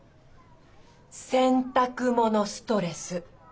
洗濯物ストレス。